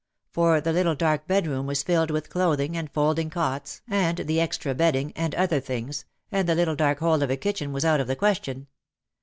For the little dark bedroom was filled with clothing and folding cots and the extra bedding and other things, and the little dark hole of a kitchen was out of the question.